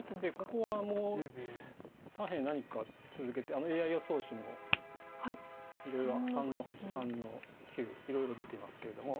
ここはもう左辺何か続けてＡＩ予想手もいろいろ３の八３の九いろいろ出ていますけれども。